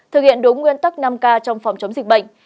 thực hiện đúng nguyên tắc năm k trong phòng chống dịch bệnh